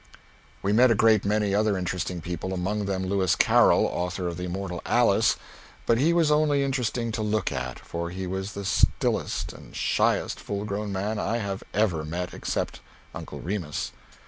We met a great many other interesting people, among them Lewis Carroll, author of the immortal "Alice" but he was only interesting to look at, for he was the stillest and shyest full grown man I have ever met except "Uncle Remus."